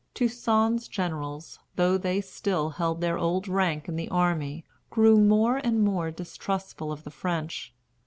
Toussaint's generals, though they still held their old rank in the army, grew more and more distrustful of the French.